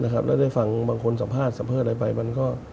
แล้วได้ฟังบางคนสัมภาษณ์สัมเภิรอะไรไปมันก็